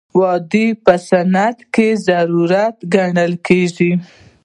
دوی په صنعت کې ضروري ګڼل کیږي.